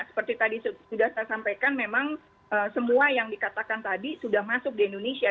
seperti tadi sudah saya sampaikan memang semua yang dikatakan tadi sudah masuk di indonesia